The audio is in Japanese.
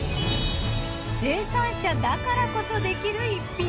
生産者だからこそできる逸品。